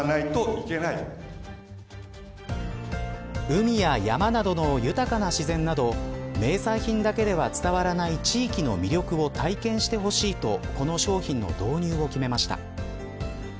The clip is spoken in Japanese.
海や山などの豊かな自然など名産品だけでは伝わらない地域の魅力を体験してほしいとこの商品の導入を決めました。